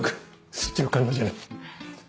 そっちの官能じゃない。